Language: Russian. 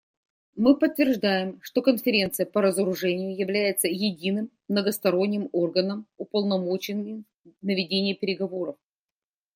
Мы подтверждаем, что Конференция по разоружению является единым многосторонним органом, уполномоченным на ведение переговоров.